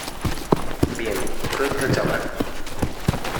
bien. ¡ suelte al chaval!